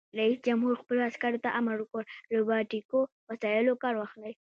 رئیس جمهور خپلو عسکرو ته امر وکړ؛ له روباټیکو وسایلو کار واخلئ!